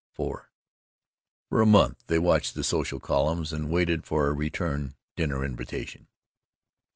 IV For a month they watched the social columns, and waited for a return dinner invitation.